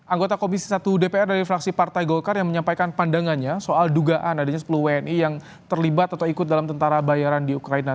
anggota komisi satu dpr dari fraksi partai golkar yang menyampaikan pandangannya soal dugaan adanya sepuluh wni yang terlibat atau ikut dalam tentara bayaran di ukraina